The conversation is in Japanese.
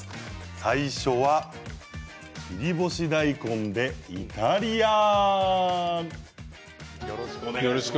最初は切り干し大根でイタリアン！